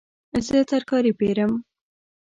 زه ترکاري پیرم